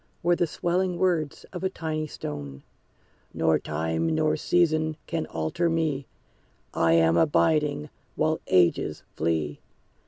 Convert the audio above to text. Were the swelling words of a tiny stone, "Nor time nor season can alter me; I am abiding, while ages flee.